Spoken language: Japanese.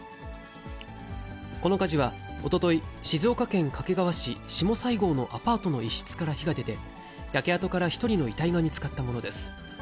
この火事は、おととい、静岡県掛川市下西郷のアパートの一室から火が出て、焼け跡から１人の遺体が見つかったものです。